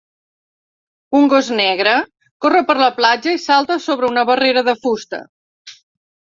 Un gos negre corre per la platja i salta sobre una barrera de fusta.